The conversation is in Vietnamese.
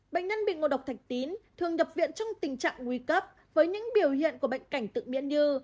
bệnh nhân bị ngộ độc thạch tín thường nhập viện trong tình trạng nguy cấp với những biểu hiện của bệnh cảnh tự biến như